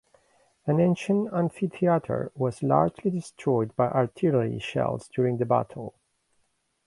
An ancient Amphitheatre was largely destroyed by artillery shells during the battle.